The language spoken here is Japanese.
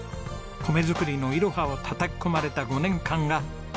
米作りのイロハをたたき込まれた５年間が宝物です。